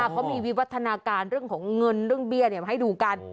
เขามีวิวัฒนาการเรื่องของเงินเรื่องเบี้ยมาให้ดูกัน